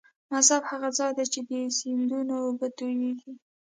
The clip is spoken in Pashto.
مصب هغه ځاي دې چې د سیندونو اوبه تویږي.